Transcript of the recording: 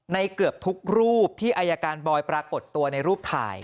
เกือบทุกรูปที่อายการบอยปรากฏตัวในรูปถ่าย